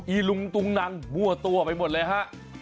อลุงตุงนังมั่วตัวไปหมดเลยฮะ